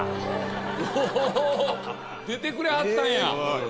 お出てくれはったんや。